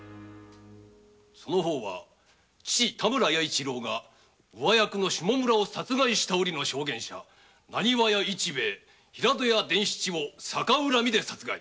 その方は父の田村弥一郎が上役の「下村」を殺害した折の証言者「浪花屋平戸屋」を逆恨みで殺害。